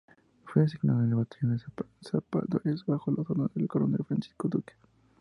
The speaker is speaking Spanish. Fue asignado al batallón de zapadores bajo las órdenes del coronel Francisco Duque.